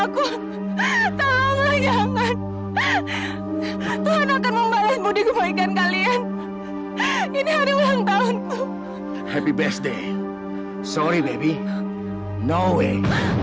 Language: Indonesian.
kembali kebaikan kalian ini hari ulang tahun happy best day sorry baby no way